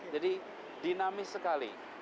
jadi dinamis sekali